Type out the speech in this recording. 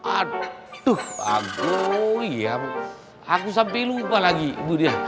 aduh aku ya aku sampai lupa lagi ibu dia